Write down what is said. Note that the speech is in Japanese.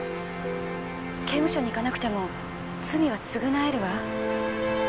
刑務所に行かなくても罪は償えるわ。